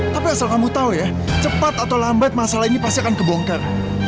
tapi asal kamu tahu ya cepat atau lambat masalah ini pasti akan kebongkar